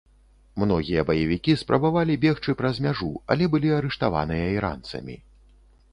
Многія баевікі спрабавалі бегчы праз мяжу, але былі арыштаваныя іранцамі.